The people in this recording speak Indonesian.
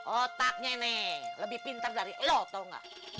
otaknya nih lebih pintar dari lo tau gak